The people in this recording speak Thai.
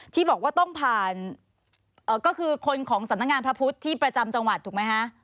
ที่บอกว่าต้องผ่านก็คือคนของสำนักงานพระพุทธที่ประจำจังหวัดถูกไหมคะ